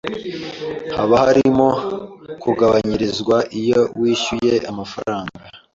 Hoba hariho kugabanyirizwa iyo wishyuye amafaranga?